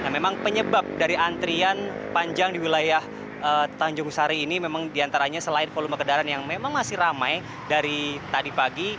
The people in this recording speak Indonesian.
memang penyebab dari antrian panjang di wilayah tanjung sari ini memang diantaranya selain volume kendaraan yang memang masih ramai dari tadi pagi